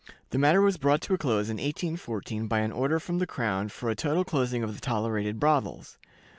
The matter was brought to a close in 1814 by an order from the crown for a total closing of the tolerated brothels.